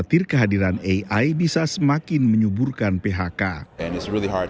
sejumlah serikat pekerja kini mengupayakan perlindungan lebih kuat